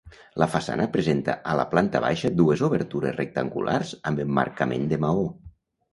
La façana presenta a la planta baixa dues obertures rectangulars amb emmarcament de maó.